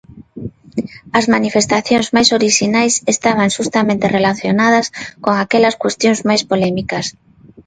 As manifestacións máis orixinais estaban xustamente relacionadas con aquelas cuestións máis polémicas.